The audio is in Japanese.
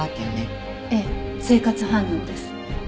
ええ生活反応です。